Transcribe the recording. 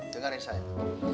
dengar ini sayang